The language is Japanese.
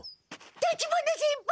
立花先輩！